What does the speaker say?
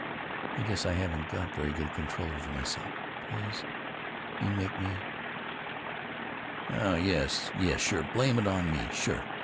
I guess I haven't got very good control over myself. Please. You make me——" "Oh yes, yes, sure! Blame it on me! Sure!